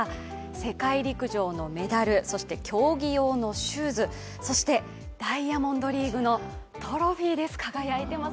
世界陸上のメダル、そして競技用のシューズ、そしてダイヤモンドリーグのトロフィーです、輝いてます。